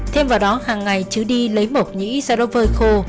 thêm vào đó hằng ngày trứ đi lấy mộc nhĩ ra đốt vơi khô